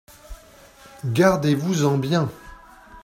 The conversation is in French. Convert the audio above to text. Gardez-vous-en bien !